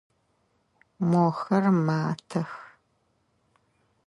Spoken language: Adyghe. Мохэр матэх.